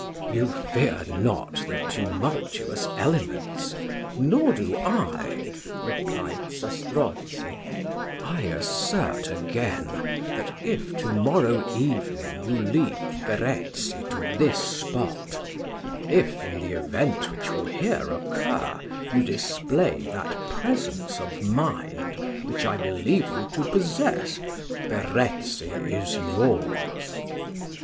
"You fear not the tumultuous elements nor do I," replied Zastrozzi "I assert again, that if to morrow evening you lead Verezzi to this spot if, in the event which will here occur, you display that presence of mind, which I believe you to possess, Verezzi is yours."